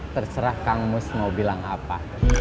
terserah kang mus mau bilang apa